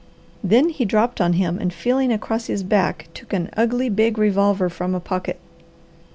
Then he dropped on him and feeling across his back took an ugly, big revolver from a pocket.